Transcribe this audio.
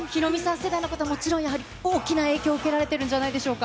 世代の方ももちろん、やはり大きな影響を受けられてるんじゃないでしょうか。